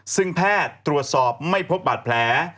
ซึ่งแพทย์ตรวจสอบไม่พบบาดแผล